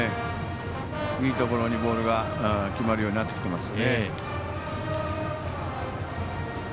いいところにボールが決まるようになってきています。